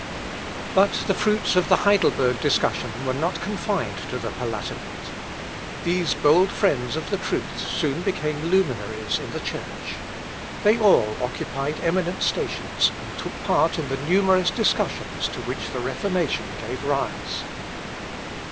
But the fruits of the Heidelberg discussion were not confined to the Palatinate. These bold friends of the truth soon became luminaries in the Church. They all occupied eminent stations, and took part in the numerous discussions, to which the Reformation gave rise.